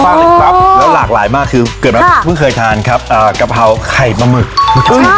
อ่อแล้วหลากหลายมากคือเกิดบันทุกอย่างครับอ่ากระเพราไข่มะหมึก